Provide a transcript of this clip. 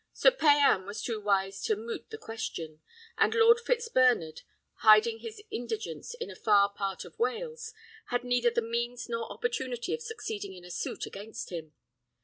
Sir Payan was too wise to moot the question; and Lord Fitzbernard, hiding his indigence in a far part of Wales, had neither the means nor opportunity of succeeding in a suit against him.